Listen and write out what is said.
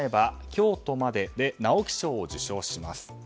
「京都まで」で直木賞を受賞します。